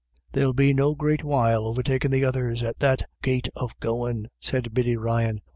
" They'll be no great while overtakin' the others at that gait of goin," said Biddy Ryan.